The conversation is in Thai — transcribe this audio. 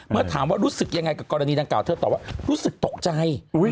เมื่อถามว่ารู้สึกยังไงกับกรณีดังกล่าเธอตอบว่ารู้สึกตกใจ